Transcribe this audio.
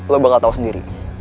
lo bakal tahu sendiri